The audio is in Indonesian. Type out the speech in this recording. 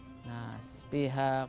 tapi nah sepihaknya